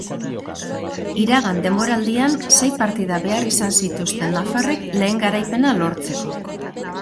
Iragan denboraldian, sei partida behar izan zituzten nafarrek lehe garaipena lortzeko.